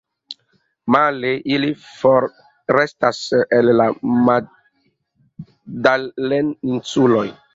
Male ili forestas el la Magdalen-Insuloj.